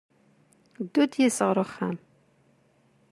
Ddu-d yid-s ɣer uxxam!